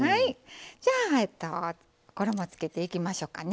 じゃあえっと衣をつけていきましょうかね。